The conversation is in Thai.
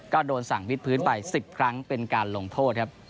ก็โดนสั่งวิดพื้นไป๑๐ครั้งเป็นการลงโทษครับ